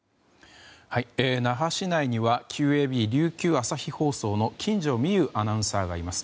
那覇市内にはＱＡＢ琉球朝日放送の金城美優アナウンサーがいます。